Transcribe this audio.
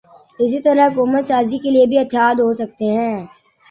اسی طرح حکومت سازی کے لیے بھی اتحاد ہو سکتے ہیں۔